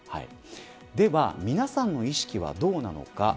では皆さんの意識はどうなのか。